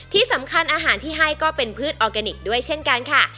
ที่สำคัญอาหารที่ให้ก็เป็นพืชออร์แกนิคด้วยเช่นกันค่ะ